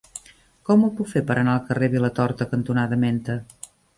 Com ho puc fer per anar al carrer Vilatorta cantonada Menta?